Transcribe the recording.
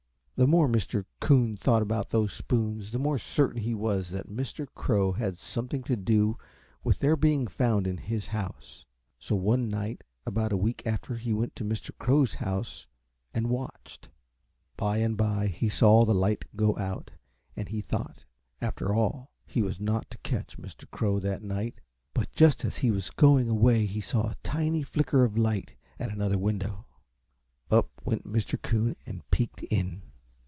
The more Mr. Coon thought about those spoons the more certain he was that Mr. Crow had something to do with their being found in his house; so one night about a week after he went to Mr. Crow's house and watched. By and by he saw the light go out, and he thought, after all, he was not to catch Mr. Crow that night; but just as he was going away he saw a tiny flicker of light at another window. Up went Mr. Coon and peeked in.